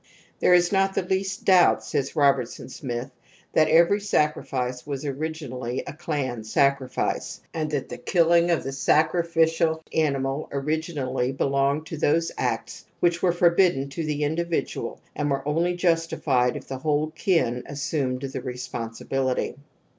There is not least doubt, says Robertson Smith, that every sacrifice was originally a clan sacrifice, and that the killing of a sacrificial animal origin ally belonged to those acts which were forbidden to the individiial and were only jitstified if the whole kin assumed the responsibility.